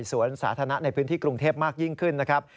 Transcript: สวนสาธารณะในพื้นที่กรุงเทพมากยิ่งขึ้นนะครับ